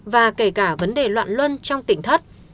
và kể cả vấn đề loạn luân trong tỉnh thất